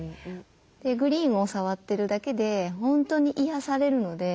グリーンを触ってるだけで本当に癒やされるので。